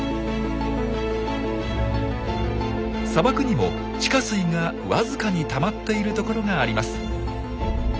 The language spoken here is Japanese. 砂漠にも地下水がわずかにたまっている所があります。